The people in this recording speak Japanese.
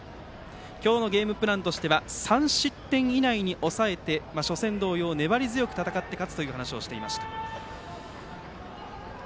今日のゲームプランとしては３失点以内に抑えて初戦同様、粘り強く戦って勝つという話をしていました。